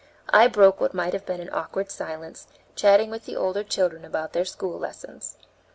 I broke what might have been an awkward silence, chatting with the older children about their school lessons.